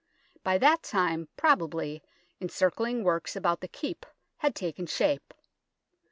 By that time, probably, encircling works about the Keep had taken shape.